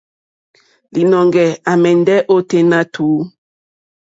Līnɔ̄ŋgɛ̄ à mɛ̀ndɛ́ ôténá tùú.